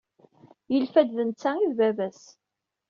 Yelfa-d d netta ay d baba-s.